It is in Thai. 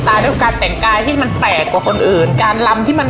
ด้วยการแต่งกายที่มันแปลกกว่าคนอื่นการลำที่มัน